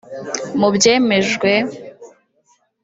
Mu byemejwe